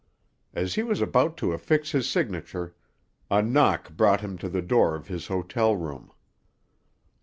As he was about to affix his signature, a knock brought him to the door of his hotel room.